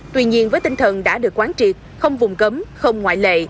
tuy nhiên với tinh thần đã được quán triệt không vùng cấm không ngoại lệ